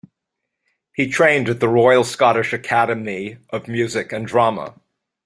He trained at the Royal Scottish Academy of Music and Drama.